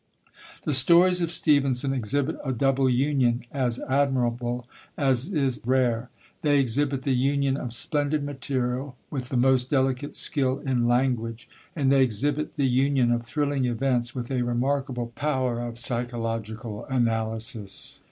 The stories of Stevenson exhibit a double union, as admirable as it is rare. They exhibit the union of splendid material with the most delicate skill in language; and they exhibit the union of thrilling events with a remarkable power of psychological analysis.